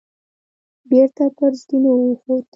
بېرته پر زينو وخوت.